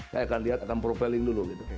saya akan lihat akan profiling dulu gitu